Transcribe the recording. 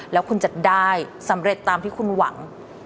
แล้วคุณจะได้สำเร็จตามที่คุณหวัง